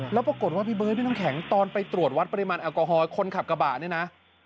แล้วปรากฏว่าพี่เบิร์ดพี่น้ำแข็งตอนไปตรวจวัดปริมาณแอลกอฮอล์คนขับกระบะเนี่ยนะ